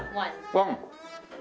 ワン。